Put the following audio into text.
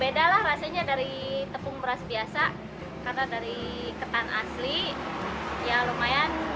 bedalah rasanya dari tepung merah biasa karena dari ketan asli ya lumayan